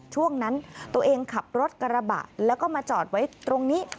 ช่วงนั้นตัวเองขับรถกระบะแล้วก็มาจอดไว้ตรงนี้